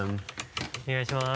お願いします。